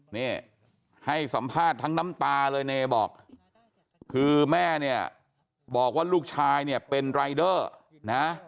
นี่ให้สัมภาษณ์ทั้งน้ำตาเลยเนบอกคือแม่เนี่ยบอกว่าลูกชายเนี่ยเป็นรายเดอร์นะ